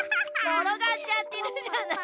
ころがっちゃってるじゃない。